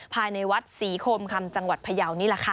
ภายในวัดศรีโคมคำจังหวัดพยาวนี่แหละค่ะ